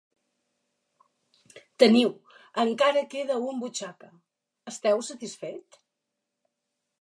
Teniu. Encara queda un butxaca. Esteu satisfet?